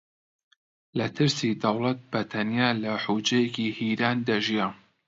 لە ترسی دەوڵەت بە تەنیا لە حوجرەیەکی هیران دەژیا